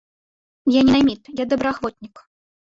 Я не найміт, я добраахвотнік.